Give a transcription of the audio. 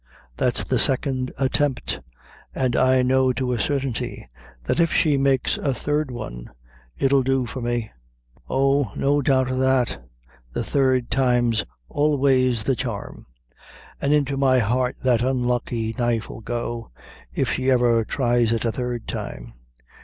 That's the second attempt; and I know to a certainty, that if she makes a third one, it'll do for me. Oh, no doubt of that the third time's always the charm! an' into my heart that unlucky knife 'ill go, if she ever tries it a third time!